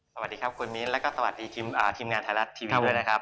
สวัสดีครับคุณมิ้นแล้วก็สวัสดีทีมงานไทยรัฐทีวีด้วยนะครับ